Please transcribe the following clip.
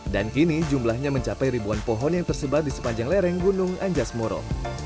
dan kini jumlahnya mencapai ribuan pohon yang tersebar di sepanjang lereng gunung anjas moro